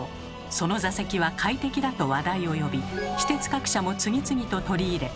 その座席は快適だと話題を呼び私鉄各社も次々と取り入れ